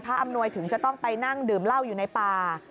อำนวยถึงจะต้องไปนั่งดื่มเหล้าอยู่ในป่า